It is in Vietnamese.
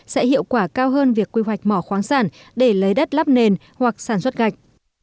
sẽ hiệu quả cao hơn việc quy hoạch mỏ khoáng sản để lấy đất lắp nền hoặc sản xuất gạch